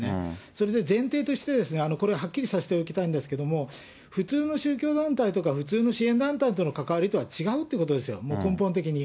それで前提として、これははっきりさせておきたいんですけれども、普通の宗教団体とか、普通の支援団体との関わりとは違うということですよ、もう根本的に。